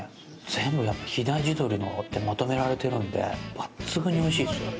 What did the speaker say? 全部、やっぱり比内地鶏でまとめられてるので、抜群においしいですよ。